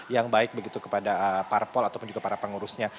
yang baik begitu kepada parpol ataupun juga para pengurusnya